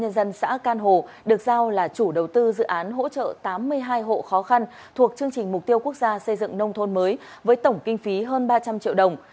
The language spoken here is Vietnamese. nhân dân xã can hồ được giao là chủ đầu tư dự án hỗ trợ tám mươi hai hộ khó khăn thuộc chương trình mục tiêu quốc gia xây dựng nông thôn mới với tổng kinh phí hơn ba trăm linh triệu đồng